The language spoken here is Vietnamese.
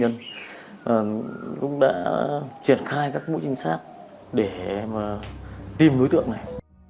nhưng cũng đã triển khai các mũi trinh sát để mà tìm đối tượng này